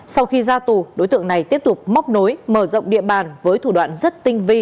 sau khi ra tù đối tượng này tiếp tục móc nối mở rộng địa bàn với thủ đoạn rất tinh vi